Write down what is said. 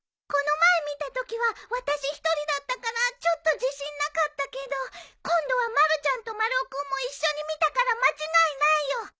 この前見たときは私１人だったからちょっと自信なかったけど今度はまるちゃんと丸尾君も一緒に見たから間違いないよ。